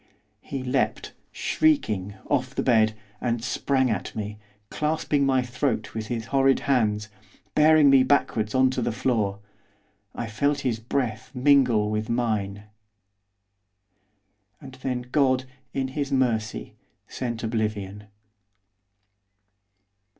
He leaped, shrieking, off the bed, and sprang at me, clasping my throat with his horrid hands, bearing me backwards on to the floor; I felt his breath mingle with mine and then God, in His mercy, sent oblivion.